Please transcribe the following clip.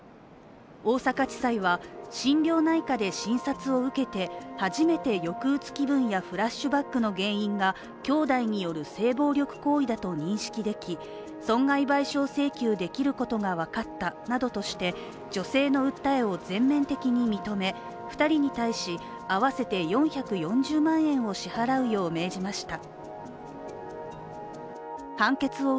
大阪地裁は心療内科で診察を受けて初めて抑うつ気分やフラッシュバックの原因が兄弟による性暴力行為だと認識でき損害賠償請求できることが分かったなどとして、女性の訴えを全面的に認め、２人に対し、合わせて４４０万円を支払うよう命じました。